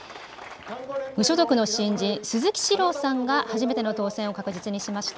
無所属の新人、鈴木史朗さんが初めての当選を確実にしました。